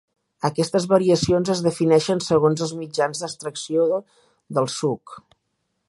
Aquestes variacions es defineixen segons els mitjans d'extracció del suc.